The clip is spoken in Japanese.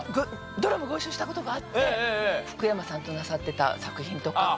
ドラマご一緒した事があって福山さんとなさってた作品とか。